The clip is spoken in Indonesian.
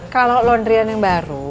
kalau laundry an yang baru